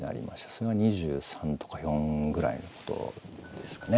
それが２３とか４ぐらいのことですかね。